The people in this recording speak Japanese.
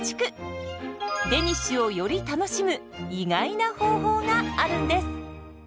デニッシュをより楽しむ意外な方法があるんです。